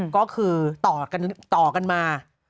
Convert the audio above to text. ก็คือต่อกันมา